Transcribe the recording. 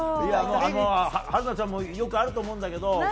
春奈ちゃんもよくあると思うんだけど。